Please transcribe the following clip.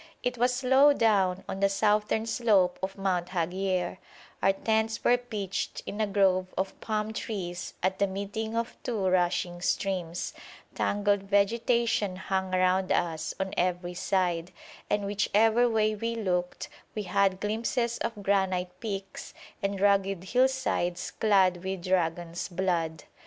It was low down on the southern slope of Mount Haghier; our tents were pitched in a grove of palm trees at the meeting of two rushing streams; tangled vegetation hung around us on every side, and whichever way we looked we had glimpses of granite peaks and rugged hill sides clad with dragon's blood.